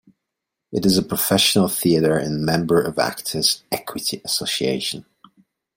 It is a professional theatre and member of Actors' Equity Association.